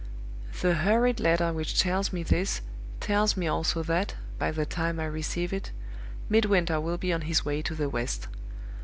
"The hurried letter which tells me this tells me also that, by the time I receive it, Midwinter will be on his way to the West.